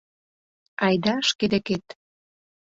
Айда, шке декет!